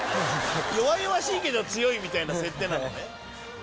弱々しいけど強いみたいな設定なのね。